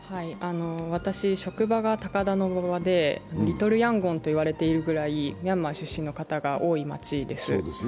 私、職場が高田馬場で、リトルヤンゴンと呼ばれるぐらいミャンマー出身の方が多い街です。